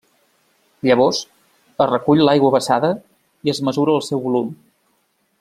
Llavors, es recull l'aigua vessada i es mesura el seu volum.